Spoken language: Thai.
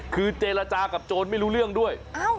คือเจรจากับโจรไม่รู้เรื่องด้วย